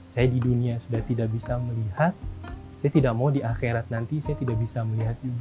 saya di dunia sudah tidak bisa melihat saya tidak mau di akhirat nanti saya tidak bisa melihat juga